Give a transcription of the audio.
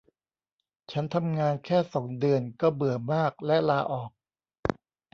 ฉันทำงานแค่สองเดือนก็เบื่อมากและลาออก